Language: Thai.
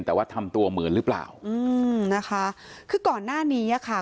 แต่ว่าทำตัวเหมือนหรือเปล่าอืมนะคะคือก่อนหน้านี้อ่ะค่ะ